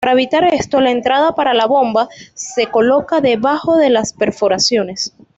Para evitar esto, la entrada para la bomba se coloca debajo de las perforaciones.